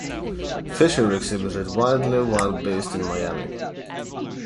Fisher exhibited widely while based in Miami.